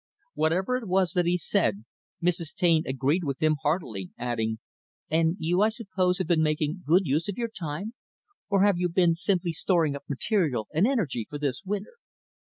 Whatever it was that he said, Mrs. Taine agreed with him, heartily, adding, "And you, I suppose, have been making good use of your time? Or have you been simply storing up material and energy for this winter?"